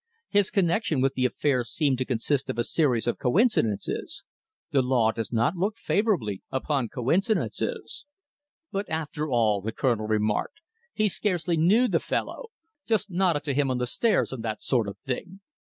"His connection with the affair seemed to consist of a series of coincidences. The law does not look favourably upon coincidences!" "But, after all," the Colonel remarked, "he scarcely knew the fellow! Just nodded to him on the stairs, and that sort of thing.